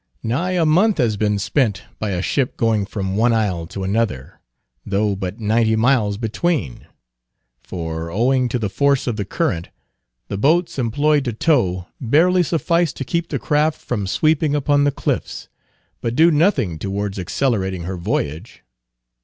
Nigh a month has been spent by a ship going from one isle to another, though but ninety miles between; for owing to the force of the current, the boats employed to tow barely suffice to keep the craft from sweeping upon the cliffs, but do nothing towards accelerating her voyage.